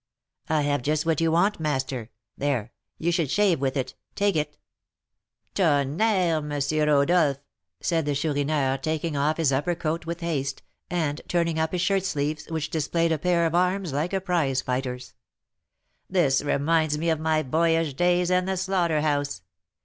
"I have just what you want, master. There, you could shave with it. Take it " "Tonnerre, M. Rodolph!" said the Chourineur, taking off his upper coat with haste, and turning up his shirtsleeves, which displayed a pair of arms like a prize fighter's; "this reminds me of my boyish days and the slaughter house.